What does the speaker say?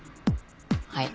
はい。